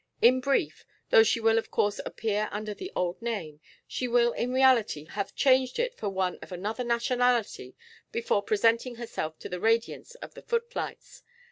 In brief, though she will of course appear under the old name, she will in reality have changed it for one of another nationality before presenting herself in the radiance of the footlights.